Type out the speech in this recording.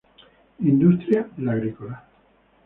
Industria: la agrícola.